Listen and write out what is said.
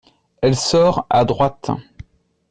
Elle sort à droite.